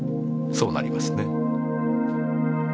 そうなりますね。